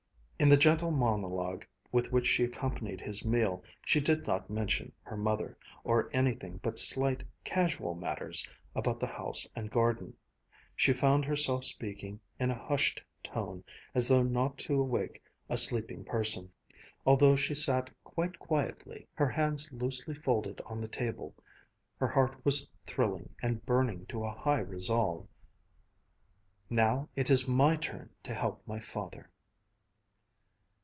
In the gentle monologue with which she accompanied his meal she did not mention her mother, or anything but slight, casual matters about the house and garden. She found herself speaking in a hushed tone, as though not to awake a sleeping person. Although she sat quite quietly, her hands loosely folded on the table, her heart was thrilling and burning to a high resolve. "Now it is my turn to help my father."